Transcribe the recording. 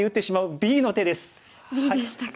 Ｂでしたか。